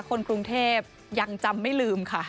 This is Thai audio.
คนกรุงเทพยังจำไม่ลืมค่ะ